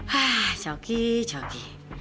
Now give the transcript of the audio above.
hah coki coki